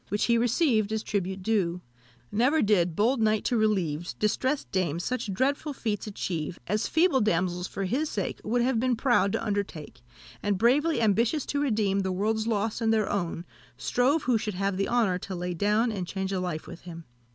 Which he received as tribute due Never did bold knight to relieve Distressed dames, such dreadful feats achieve, As feeble damsels for his sake Would have been proud to undertake, And, bravely ambitious to redeem The world's loss and their own, Strove who should have the honour to lay down, And change a life with him."